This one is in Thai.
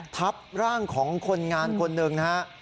ทับร่างของคนงานคนหนึ่งนะฮะ